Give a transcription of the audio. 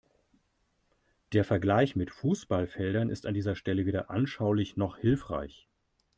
Der Vergleich mit Fußballfeldern ist an dieser Stelle weder anschaulich noch hilfreich.